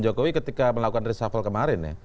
jokowi ketika melakukan reshuffle kemarin ya